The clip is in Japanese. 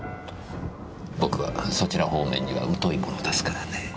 僕はそちら方面には疎いものですからねぇ。